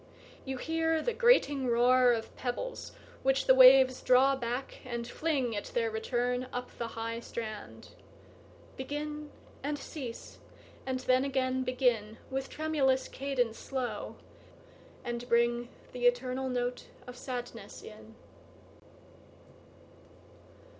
you hear the grating roarOf pebbles which the waves draw back, and fling, At their return, up the high strand, Begin, and cease, and then again begin, With tremulous cadence slow, and bringThe eternal note of sadness in.